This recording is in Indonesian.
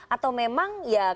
atau memang ya